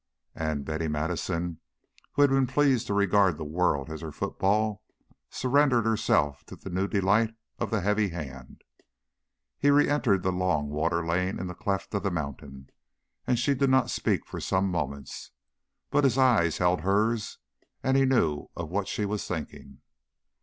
And Betty Madison, who had been pleased to regard the world as her football, surrendered herself to the new delight of the heavy hand. He re entered the long water lane in the cleft of the mountain, and she did not speak for some moments, but his eyes held hers and he knew of what she was thinking.